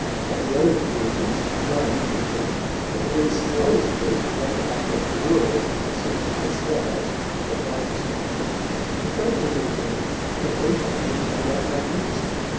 Of the other communicants, none, I think, had the very slightest notion what the objects were that Susan had smashed, or tried to smash, and frankly maintained that they thought her conduct magnificent.